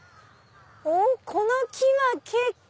この木は結構。